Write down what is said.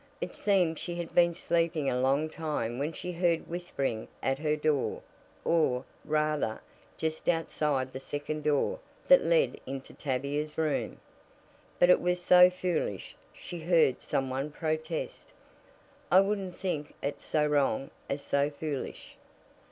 It seemed she had been sleeping a long time when she heard whispering at her door or, rather, just outside the second door that led into Tavia's room. "But it was so foolish," she heard some one protest. "I wouldn't think it so wrong as so foolish."